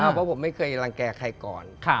เพราะผมไม่เคยรังแก่ใครก่อน